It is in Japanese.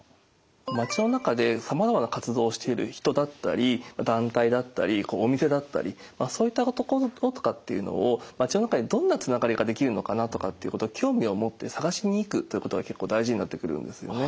町の中でさまざまな活動をしている人だったり団体だったりお店だったりそういったところとかっていうのを町の中でどんなつながりができるのかなとかっていうこと興味を持って探しに行くということが結構大事になってくるんですよね。